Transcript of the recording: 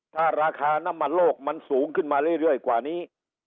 ถ้าราคาน้ำมันโลกมันสูงขึ้นมาเรื่อยกว่านี้